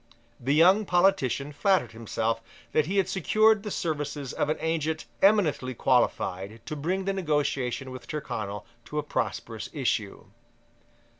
The young politician flattered himself that he had secured the services of an agent eminently qualified to bring the negotiation with Tyrconnel to a prosperous issue.